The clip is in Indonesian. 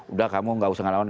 udah kamu gak usah ngalawan